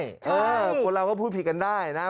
เออคนเราก็พูดผิดกันได้นะ